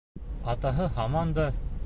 Атаһы һаман да: